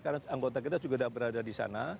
karena anggota kita juga sudah berada di sana